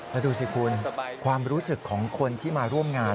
แล้วดูสิคุณความรู้สึกของคนที่มาร่วมงาน